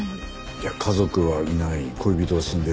いや家族はいない恋人は死んでる。